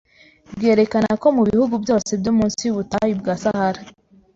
bwerekana ko mu bihugu byose byo munsi y’ubutayu bwa Sahara